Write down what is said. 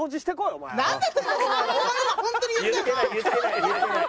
お前今本当に言ったよな。